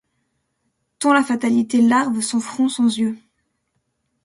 Tant la Fatalité, larve sans front, sans yeux